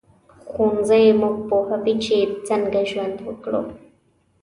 ښوونځی موږ پوهوي چې څنګه ژوند وکړو